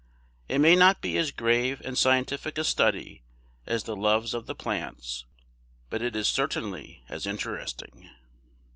It may not be as grave and scientific a study as the loves of the plants, but it is certainly as interesting.